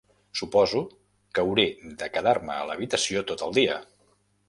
Suposo que hauré de quedar-me a l'habitació tot el dia!